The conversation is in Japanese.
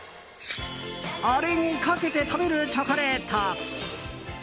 あれにかけて食べるチョコレート。